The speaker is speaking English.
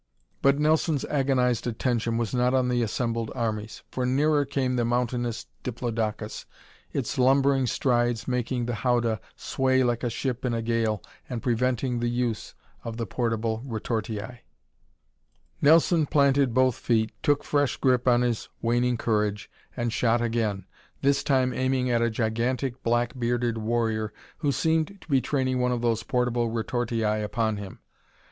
But Nelson's agonized attention was not on the assembled armies, for nearer came the mountainous diplodocus, its lumbering strides making the howdah sway like a ship in a gale and preventing use of the portable retortii. Nelson planted both feet, took fresh grip on his waning courage and shot again, this time aiming at a gigantic, black bearded warrior who seemed to be training one of those portable retortii upon him.